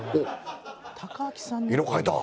色変えた？